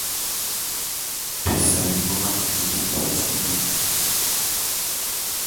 Bisae bi ngoman bi nji bo tîbi.